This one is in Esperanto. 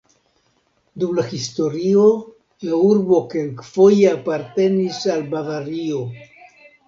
Dum la historio la urbo kelkfoje apartenis al Bavario.